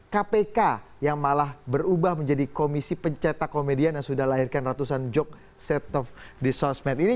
kpk yang malah berubah menjadi komisi pencetak komedian yang sudah lahirkan ratusan joke set off di sosmed ini